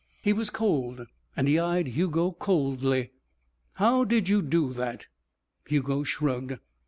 He was cold and he eyed Hugo coldly. "How did you do that?" Hugo shrugged.